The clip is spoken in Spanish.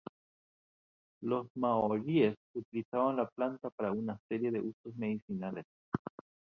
Los Maoríes utilizaban la planta para una serie de usos medicinales.